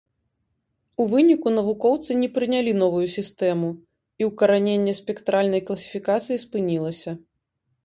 У выніку навукоўцы не прынялі новую сістэму, і ўкараненне спектральнай класіфікацыі спынілася.